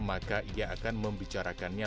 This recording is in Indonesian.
maka ia akan membicarakannya